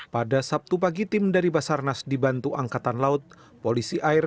pada sabtu pagi tim dari basarnas dibantu angkatan laut polisi air